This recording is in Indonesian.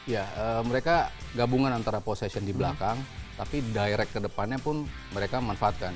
ya mereka gabungan antara possession di belakang tapi direct ke depannya pun mereka manfaatkan